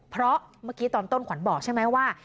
เพราะเมื่อกี้ตอนต้นขวัญบอกใช่ไหมว่า